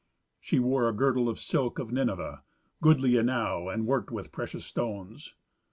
She wore a girdle of silk of Nineveh, goodly enow, and worked with precious stones.